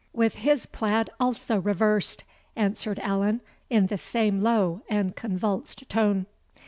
"With his plaid also reversed," answered Allan, in the same low and convulsed tone.